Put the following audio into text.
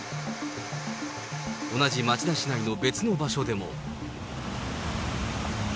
同じ町田市内の別の場所でも。